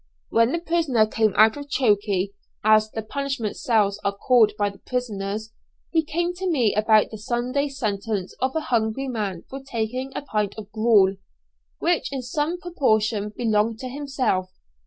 When the prisoner came out of 'Chokey,' as the punishment cells are called by the prisoners, he came to me about the Sunday sentence of a hungry man for taking a pint of gruel, which in some proportion belonged to himself.